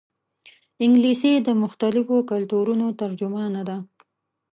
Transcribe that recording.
انګلیسي د مختلفو کلتورونو ترجمانه ده